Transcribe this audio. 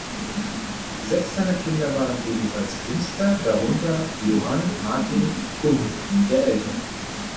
Sechs seiner Kinder waren ebenfalls Künstler, darunter Johann Martin Gumpp der Ältere.